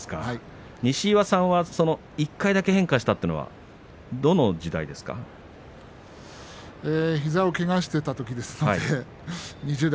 西岩さんは１回だけ変化したそうですが膝をけがしてたときです。